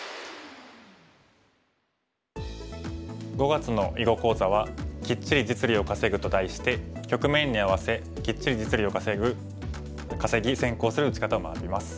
５月の囲碁講座は「キッチリ実利を稼ぐ」と題して局面に合わせキッチリ実利を稼ぎ先行する打ち方を学びます。